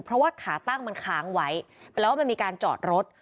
เพราะว่าขาตั้งมันค้างไว้แปลว่ามันมีการจอดรถ